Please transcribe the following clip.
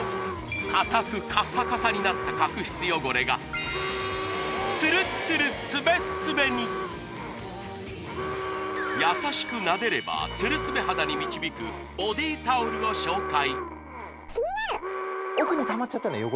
かたくカサカサになった角質汚れがつるつるすべすべに優しくなでればつるすべ肌に導くボディタオルを紹介